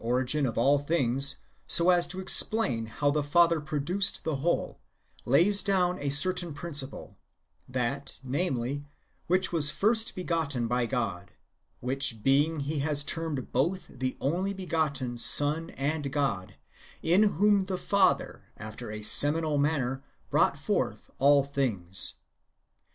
origin of all things, so as to explain Low the Father produced the whole, lays down a certain principle, — that, namely, which was first begotten by God, which Being he has termed both the only begotten Son and God, in whom the Father, after a seminal manner, brought forth all things.